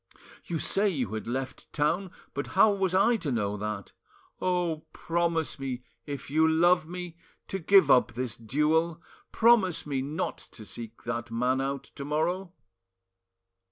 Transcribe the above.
You say you had left town but how was I to know that? Oh! promise me, if you love me, to give up this duel! Promise me not to seek that man out to morrow!"